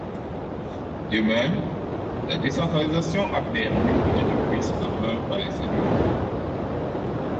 De même, la décentralisation a permis une reprise en main par les élus locaux.